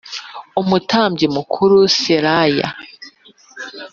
umutambyi mukuru Seraya